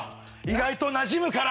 意外となじむから。